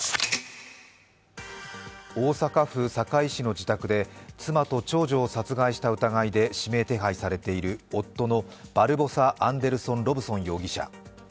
大阪府堺市の自宅で妻と長女を殺害した疑いで指名手配されている夫のバルボサ・アンデルソン・ロブソン容疑者。